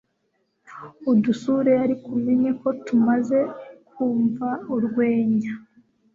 udusure, ariko umenye ko tumaze kumva urwenya